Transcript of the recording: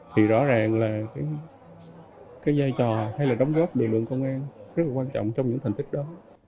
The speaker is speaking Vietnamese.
thì rõ ràng là cái giai trò hay là đóng góp của lực lượng công an rất là quan trọng trong những thành tích đó